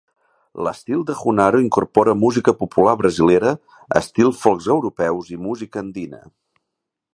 L'estil de Junaro incorpora música popular brasilera, estils folk europeus i música andina.